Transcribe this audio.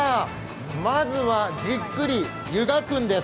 まずはじっくり湯がくんです。